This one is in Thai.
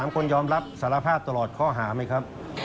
๓คนยอมรับสารภาพตลอดข้อหาไหมครับ